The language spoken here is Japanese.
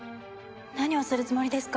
何をするつもりですか？